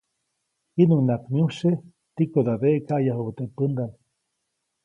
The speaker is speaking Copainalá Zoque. Jiʼnuŋnaʼak myujsye tikodadeʼe kayajubä teʼ pändaʼm.